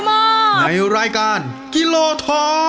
สวัสดีครับ